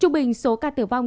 trúc bình số ca tử vong